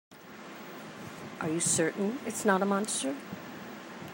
Are you certain it's not a monster?